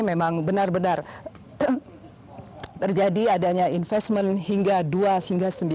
memang benar benar terjadi adanya investment hingga dua hingga sembilan